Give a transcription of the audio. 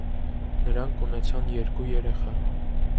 Նրանք ունեցան երկու երեխա։